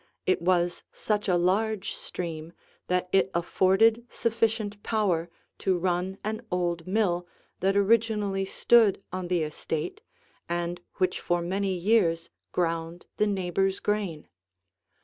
It was such a large stream that it afforded sufficient power to run an old mill that originally stood on the estate and which for many years ground the neighbors' grain.